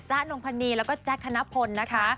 จ๊ะนงพันนีย์แล้วก็จ๊ะคณพลนะคะ